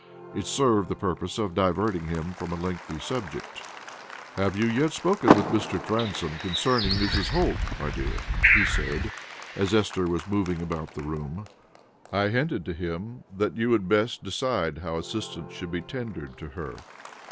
It served the purpose of diverting him from a lengthy subject. "Have you yet spoken with Mr. Transome concerning Mrs. Holt, my dear?" he said, as Esther was moving about the room. "I hinted to him that you would best decide how assistance should be tendered to her."